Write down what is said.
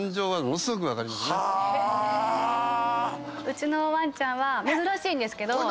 うちのワンちゃんは珍しいんですけど。